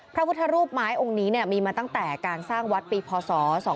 พระพุทธรูปไม้องค์นี้มีมาตั้งแต่การสร้างวัดปีพศ๒๕๖